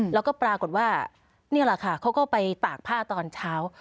แล้วก็ปรากฏว่านี่แหละค่ะเขาก็ไปตากผ้าตอนเช้า